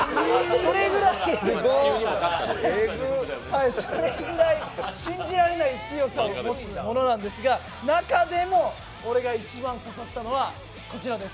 それぐらい信じられない強さを持つものなんですが、中でも俺が一番刺さったのはこちらです。